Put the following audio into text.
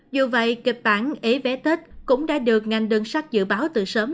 dù vậy kịch bản ế vé tết cũng đã được ngành đơn sát dự báo từ sớm